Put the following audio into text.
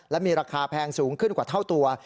และมีราคาแพงสูงขึ้นกว่าเท่าตัว